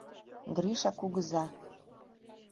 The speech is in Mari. Криша кугыза.